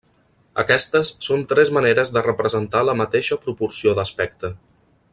Aquestes són tres maneres de representar la mateixa proporció d'aspecte.